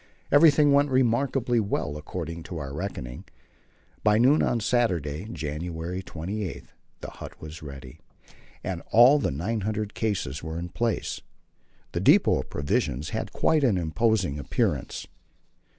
Everything went remarkably well according to our reckoning. By noon on Saturday, January 28, the hut was ready, and all the 900 cases were in place. The depot of provisions had quite an imposing appearance.